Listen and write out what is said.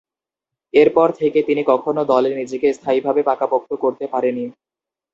এরপর থেকে তিনি কখনো দলে নিজেকে স্থায়ীভাবে পাকাপোক্ত করতে পারেনি।